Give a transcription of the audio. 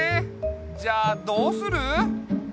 じゃあどうする？